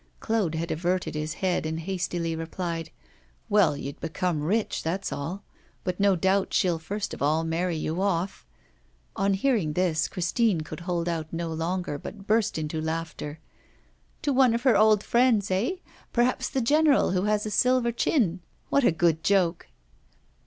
Claude had averted his head, and hastily replied, 'Well, you'd become rich, that's all. But no doubt she'll first of all marry you off ' On hearing this, Christine could hold out no longer, but burst into laughter. 'To one of her old friends, eh? perhaps the general who has a silver chin. What a good joke!